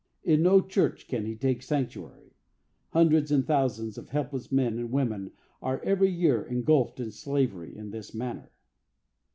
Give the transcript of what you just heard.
In no church can he take sanctuary. Hundreds and thousands of helpless men and women are every year engulfed in slavery in this manner.